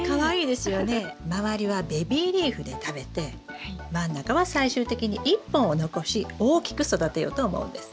周りはベビーリーフで食べて真ん中は最終的に１本を残し大きく育てようと思うんです。